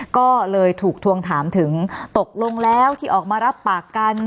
ก็เลยถูกทวงถามถึงตกลงแล้วที่ออกมารับปากกัน